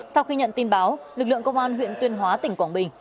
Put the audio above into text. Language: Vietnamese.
sau khi nhận tin báo lực lượng công an huyện tuyên hóa tỉnh quảng bình